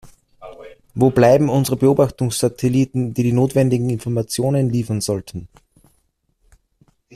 Wo bleiben unsere Beobachtungssatelliten, die die notwendigen Informationen liefern sollten?